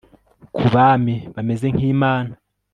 Kubami bameze nkImana